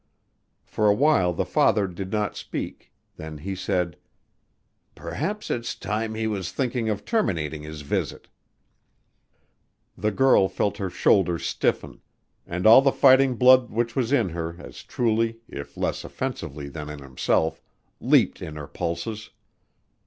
For a while the father did not speak, then he said: "Perhaps it's time he was thinking of terminating his visit." The girl felt her shoulders stiffen, and all the fighting blood which was in her as truly, if less offensively than in himself, leaped in her pulses.